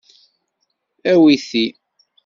Awi ti.